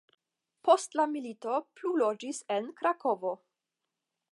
Post la milito plu loĝis en Krakovo.